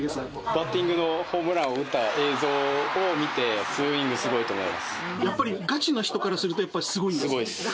バッティングのホームランを打った映像を見て、やっぱりガチな人からすると、すごいです。